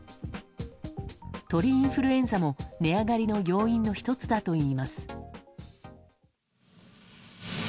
鳥インフルエンザも、値上がりの要因の１つだといいます。